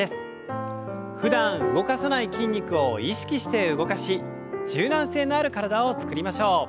ふだん動かさない筋肉を意識して動かし柔軟性のある体を作りましょう。